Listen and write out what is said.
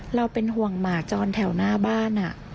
เราเป็นห่วงหมาจรแถวหน้าบ้าน